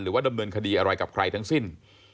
ว่าดำเนินคดีอะไรกับใครทั้งสิ้น